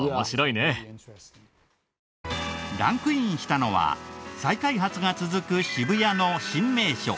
ランクインしたのは再開発が続く渋谷の新名所